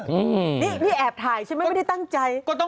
นี่พี่แอบถ่ายใช่ไหมไม่ได้ตั้งใจ